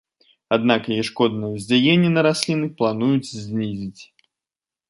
Аднак яе шкоднае ўздзеянне на расліны плануюць знізіць.